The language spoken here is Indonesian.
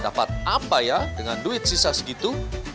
dapat apa ya dengan duit sisa segitu